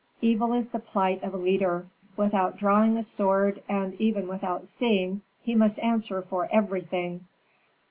Evil is the plight of a leader; without drawing a sword and even without seeing, he must answer for everything!"